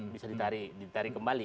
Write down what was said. bisa ditarik kembali